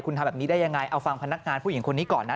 คุณทำแบบนี้ได้ยังไงเอาฟังพนักงานผู้หญิงคนนี้ก่อนนะ